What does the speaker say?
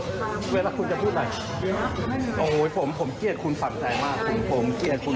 มันจะไปดีเดี๋ยวนะ